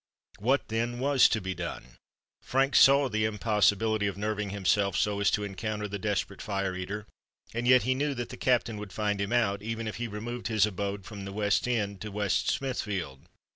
What, then, was to be done? Frank saw the impossibility of nerving himself so as to encounter the desperate fire eater; and yet he knew that the Captain would find him out, even if he removed his abode from the West End to West Smithfield.